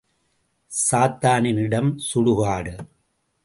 சாத்தானின் இடம் சுடுகாடு.